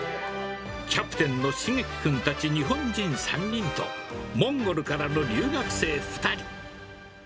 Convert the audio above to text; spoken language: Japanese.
キャプテンのしげき君たち日本人３人と、モンゴルからの留学生２人。